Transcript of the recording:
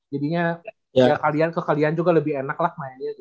jadinya ke kalian juga lebih enak lah